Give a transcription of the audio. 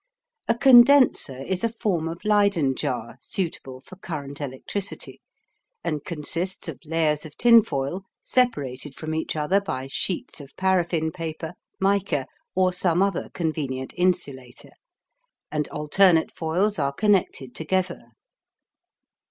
A condenser is a form of Leyden jar, suitable for current electricity, and consists of layers of tinfoil separated from each other by sheets of paraffin paper, mica, or some other convenient insulator, and alternate foils are connected together.